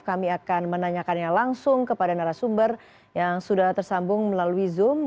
kami akan menanyakannya langsung kepada narasumber yang sudah tersambung melalui zoom